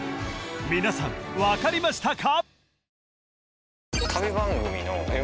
皆さん分かりましたか？